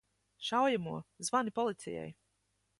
Šaujamo! Zvani policijai!